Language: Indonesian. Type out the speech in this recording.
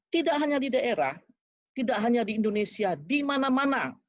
tidak hanya di daerah tidak hanya di indonesia di mana mana